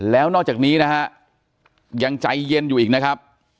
แล้วนอกจากนี้นะฮะยังใจเย็นอยู่อีกนะครับ